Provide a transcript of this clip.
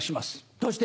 どうして？